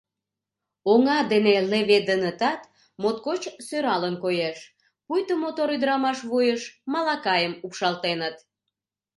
Оҥа дене леведынытат, моткочак сӧралын коеш, пуйто мотор ӱдырамаш вуйыш малакайым упшалтеныт.